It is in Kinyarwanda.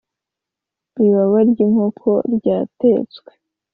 ibaba ryinkoko ryatetswe